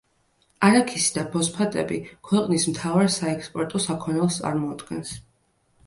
არაქისი და ფოსფატები ქვეყნის მთავარ საექსპორტო საქონელს წარმოადგენს.